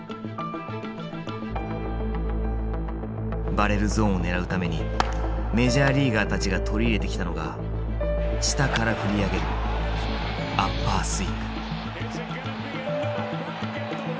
バレルゾーンを狙うためにメジャーリーガーたちが取り入れてきたのが下から振り上げるアッパースイング。